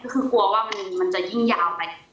คือกลัวว่ามันจะยิ่งยาวไป